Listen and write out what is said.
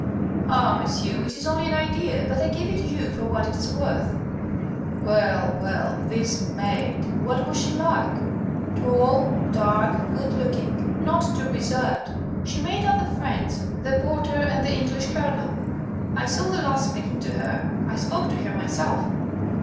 "Ah, monsieur, it is only an idea. But I give it you for what it is worth." "Well, well, this maid what was she like?" "Tall, dark, good looking, not too reserved. She made other friends the porter and the English Colonel. I saw the last speaking to her. I spoke to her myself."